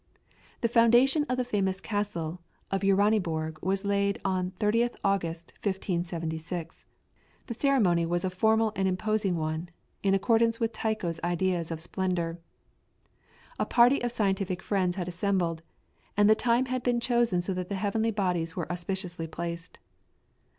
The foundation of the famous castle of Uraniborg was laid on 30th August, 1576. The ceremony was a formal and imposing one, in accordance with Tycho's ideas of splendour. A party of scientific friends had assembled, and the time had been chosen so that the heavenly bodies were auspiciously placed.